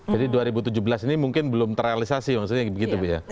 jadi dua ribu tujuh belas ini mungkin belum terrealisasi maksudnya gitu ya